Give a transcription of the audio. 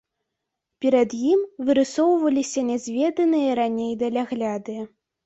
Перад ім вырысоўваліся нязведаныя раней далягляды.